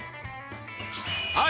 はい！